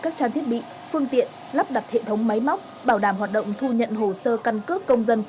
phương tiện lắp đặt hệ thống máy móc bảo đảm hoạt động thu nhận hồ sơ căn cước công dân